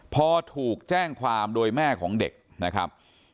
พอถูกแจ้งความโดยแม่ของเด็กนะครับ